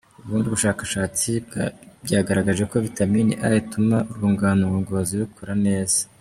Ubundi bushakashatsi byagaragaje ko Vitamini A ituma urwungano ngogozi rukora neza.